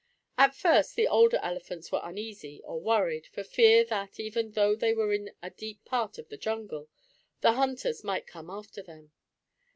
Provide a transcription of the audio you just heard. At first the older elephants were uneasy, or worried, for fear that, even though they were in a deep part of the jungle, the hunters might come after them.